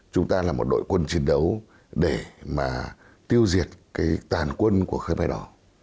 chúng ta là một đội quân chiến đấu để mà tiêu diệt cái tàn quân của khe đỏ